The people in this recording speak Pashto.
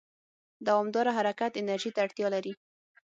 دوامداره حرکت انرژي ته اړتیا لري.